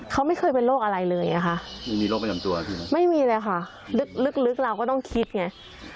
เขาไม่เคยเป็นโรคอะไรเลยนะคะไม่มีเลยค่ะลึกเราก็ต้องคิดไง